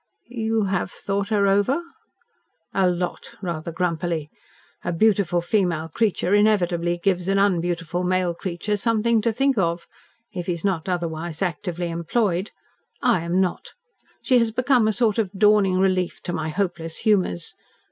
"You have thought her over?" "A lot," rather grumpily. "A beautiful female creature inevitably gives an unbeautiful male creature something to think of if he is not otherwise actively employed. I am not. She has become a sort of dawning relief to my hopeless humours.